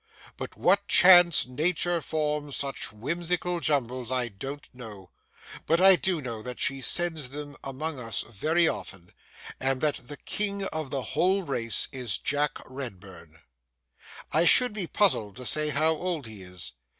By what chance Nature forms such whimsical jumbles I don't know; but I do know that she sends them among us very often, and that the king of the whole race is Jack Redburn. I should be puzzled to say how old he is.